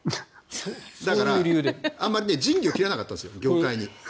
だからあまり仁義を切らなかったんです業界に。